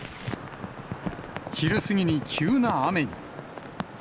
昼過ぎに急な雨に。